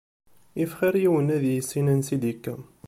If xir yiwen ad yissin ansi id-yekka.